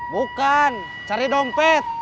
bukan cari dompet